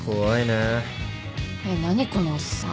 えっ何このおっさん。